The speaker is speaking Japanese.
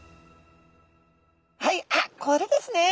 はいあっこれですね。